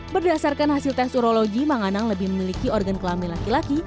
berdasarkan hasil tes urologi manganang lebih memiliki organ kelamin laki laki